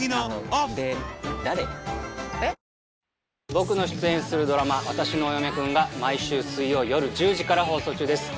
僕の出演するドラマ『わたしのお嫁くん』が毎週水曜夜１０時から放送中です。